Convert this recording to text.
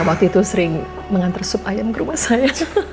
waktu itu sering mengantar sup ayam ke rumah saya